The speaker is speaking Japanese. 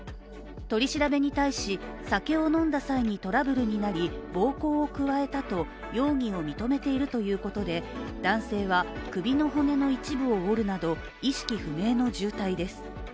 取り調べに対し、酒を飲んだ際にトラブルになり暴行を加えたと容疑を認めているということで男性は首の骨の一部を折るなど意識不明の重体です。